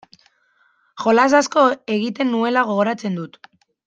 Jolas asko egiten nuela gogoratzen dut.